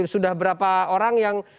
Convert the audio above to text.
sudah berapa orang yang